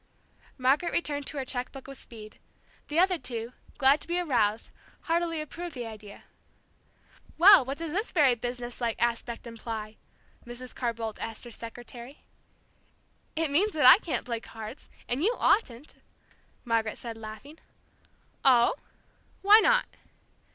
Margaret returned to her cheque book with speed. The other two, glad to be aroused, heartily approved the idea. "Well, what does this very businesslike aspect imply?" Mrs. Carr Boldt asked her secretary. "It means that I can't play cards, and you oughtn't," Margaret said, laughing. "Oh ? Why not?"